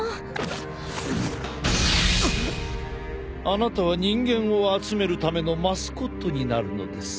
あなたは人間を集めるためのマスコットになるのです。